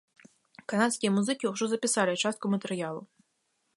Канадскія музыкі ўжо запісалі частку матэрыялу.